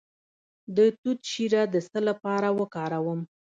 د توت شیره د څه لپاره وکاروم؟